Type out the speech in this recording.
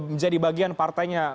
menjadi bagian partainya